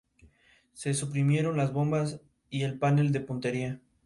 Se suprimieron las bombas y el panel de puntería.